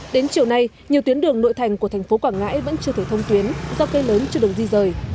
đến chiều nay nhiều tuyến đường nội thành của thành phố quảng ngãi vẫn chưa thể thông tuyến do cây lớn chưa được di rời